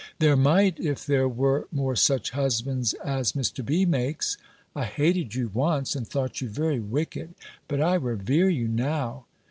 "There might, if there were more such husbands as Mr. B. makes. I hated you once, and thought you very wicked; but I revere you now."